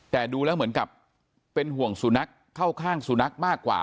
แต่ดูแล้วเหมือนกับเป็นห่วงสุนัขเข้าข้างสุนัขมากกว่า